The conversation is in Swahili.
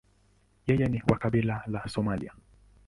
Yeye ni wa kabila la Somalia.